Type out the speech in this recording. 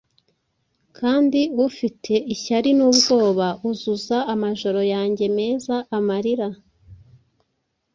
Kandi ufite ishyari n'ubwoba Uzuza amajoro yanjye meza amarira?